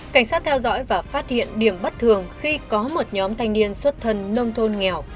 cảnh sát theo dõi và phát hiện điểm bất thường khi có một nhóm thanh niên xuất thân nông thôn nghèo